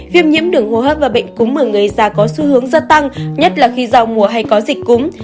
viêm nhiễm đường hô hấp và bệnh cúng ở người già có xu hướng gia tăng nhất là khi giao mùa hay có dịch cúm